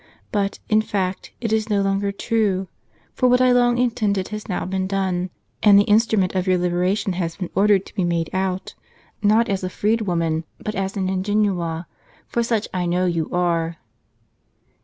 But, in fact, it is no longer true ; for what I long intended has now been done ; and the instrument of your liberation has been ordered to be made out, not as a freedwoman, but as an ingenua;* for such I know you are."